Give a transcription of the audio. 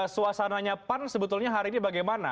suasananya pan sebetulnya hari ini bagaimana